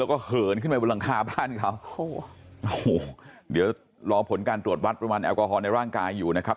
แล้วก็เหินขึ้นไปบนหลังคาบ้านเขาโอ้โหเดี๋ยวรอผลการตรวจวัดปริมาณแอลกอฮอลในร่างกายอยู่นะครับ